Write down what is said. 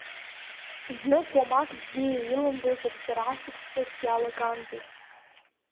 Знык уамак бзиа илымбоз рҵара шықәс ҿыц иалагандаз!